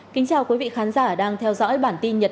cảm ơn các bạn đã theo dõi